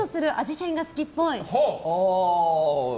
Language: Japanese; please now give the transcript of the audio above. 変が好きっぽい。